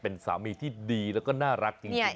เป็นสามีที่ดีแล้วก็น่ารักจริง